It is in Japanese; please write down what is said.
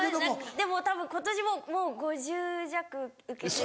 でもたぶん今年ももう５０弱受けてる。